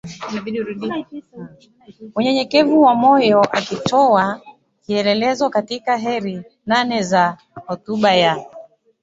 unyenyekevu wa moyo akitoa kielelezo katika Heri Nane za hotuba ya